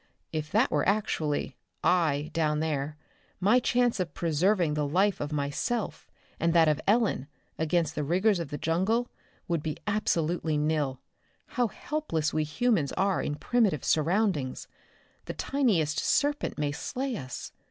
"If that were actually 'I' down there, my chance of preserving the life of myself, and that of Ellen against the rigors of the jungle, would be absolutely nil. How helpless we humans are in primitive surroundings! The tiniest serpent may slay us.